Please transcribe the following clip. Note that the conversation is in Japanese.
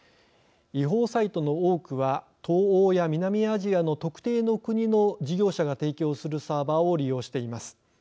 違法サイトの多くは東欧や南アジアの特定の国の事業者が提供するサーバーを利用しています。